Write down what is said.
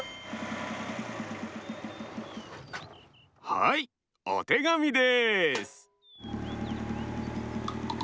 はいおてがみです！